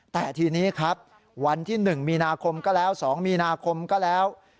แต่ทีนี้ครับวันที่๑มีนาคมก็แล้ว๒มีนาคมก็แล้ว